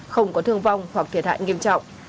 không có thương vong hoặc thiệt hại nghiêm trọng